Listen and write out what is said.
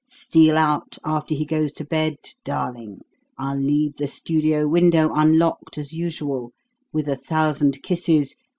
Steal out after he goes to bed, darling. I'll leave the studio window unlocked, as usual. With a thousand kisses.